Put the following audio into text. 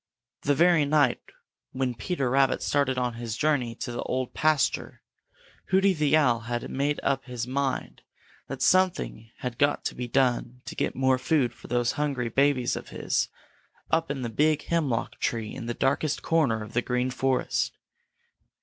The very night when Peter Rabbit started on his journey to the Old Pasture, Hooty the Owl had made up his mind that something had got to be done to get more food for those hungry babies of his up in the big hemlock tree in the darkest corner of the Green Forest.